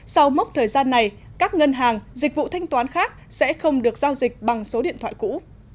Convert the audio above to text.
sau mốc thời gian này các ngân hàng dịch vụ thanh toán khác sẽ không được giao dịch bằng số điện thoại cũ